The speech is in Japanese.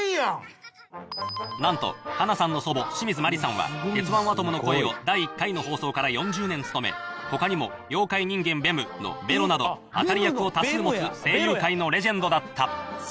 なんと、英さんの祖母、清水マリさんは、鉄腕アトムの声を第１回の放送から４０年務め、ほかにも妖怪人間ベムのベロなど、当たり役を多数持つ、声優界のレジェンドだった。